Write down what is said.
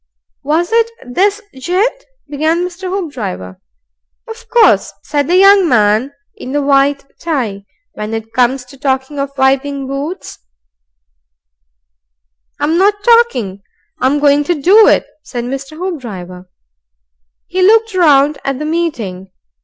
"Was it this gent?" began Mr. Hoopdriver. "Of course," said the young man in the white tie, "when it comes to talking of wiping boots " "I'm not talking; I'm going to do it," said Mr. Hoopdriver. He looked round at the meeting.